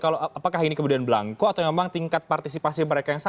apakah ini kemudian belangko atau memang tingkat partisipasi mereka yang sangat